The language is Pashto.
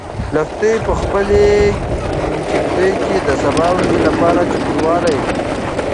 لښتې په خپلې کيږدۍ کې د سبا ورځې لپاره چمتووالی ونیو.